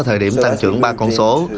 thời điểm tăng trưởng ba con số